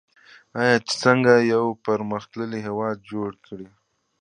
آیا چې څنګه یو پرمختللی هیواد جوړ کړي؟